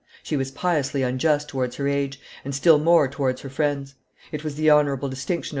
She was piously unjust towards her age, and still more towards her friends; it was the honorable distinction of M.